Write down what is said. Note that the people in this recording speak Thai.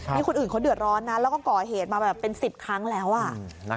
นี่คนอื่นเขาเดือดร้อนนะแล้วก็ก่อเหตุมาแบบเป็น๑๐ครั้งแล้ว